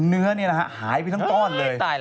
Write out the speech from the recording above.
เนื้อเนี่ยนะฮะหายไปทั้งต้อนเลย